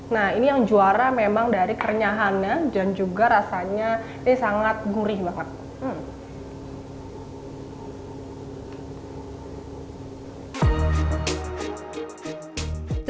nah ini yang juara memang dari kerenyahannya dan juga rasanya ini sangat gurih banget